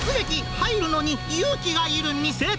入るのに勇気がいる店。